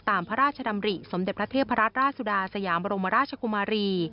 ตามพระราชดำริสมเด็จพระราชราสุดาสยามรมราชกุมารี